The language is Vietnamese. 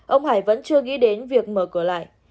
ông hải vẫn chưa nghĩ đến việc mở cửa lại